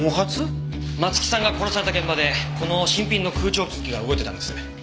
松木さんが殺された現場でこの新品の空調機器が動いてたんです。